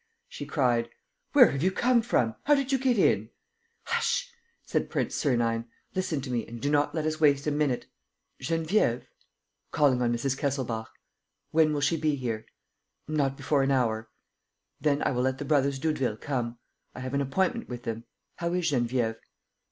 she cried. "Where have you come from? How did you get in?" "Hush!" said Prince Sernine. "Listen to me and do not let us waste a minute: Geneviève?" "Calling on Mrs. Kesselbach." "When will she be here?" "Not before an hour." "Then I will let the brothers Doudeville come. I have an appointment with them. How is Geneviève?"